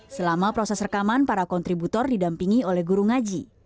selama proses rekaman para kontributor didampingi oleh guru ngaji